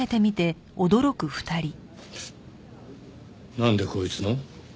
なんでこいつの？